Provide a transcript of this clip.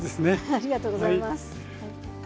ありがとうございます。